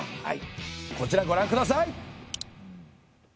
はいこちらご覧ください！